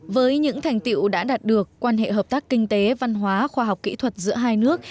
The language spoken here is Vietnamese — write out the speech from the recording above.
với những thành tiệu đã đạt được quan hệ hợp tác kinh tế văn hóa khoa học kỹ thuật giữa hai nước